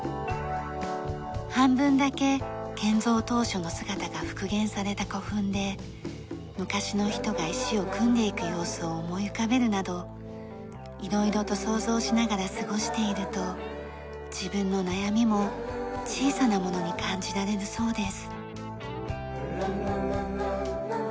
半分だけ建造当初の姿が復元された古墳で昔の人が石を組んでいく様子を思い浮かべるなど色々と想像しながら過ごしていると自分の悩みも小さなものに感じられるそうです。